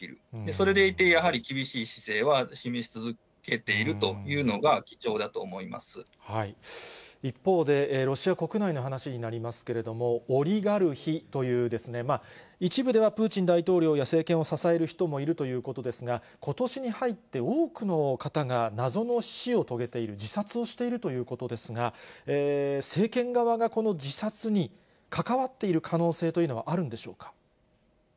それでいてやはり、厳しい姿勢は示し続けているというのが、一方で、ロシア国内の話になりますけれども、オリガルヒという、一部ではプーチン大統領や政権を支える人もいるということですが、ことしに入って多くの方が謎の死を遂げている、自殺をしているということですが、政権側がこの自殺に関わっている可能性というのはあるんでしょうか。